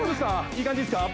いい感じっすか？